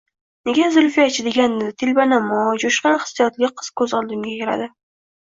Nega Zulfiyachi deganda telbanamo, jo‘shqin hissiyotli qiz ko‘z oldimga keladi?